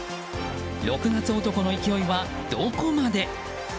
６月男の勢いはどこまで？